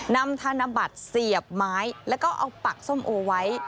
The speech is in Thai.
ธนบัตรเสียบไม้แล้วก็เอาปักส้มโอไว้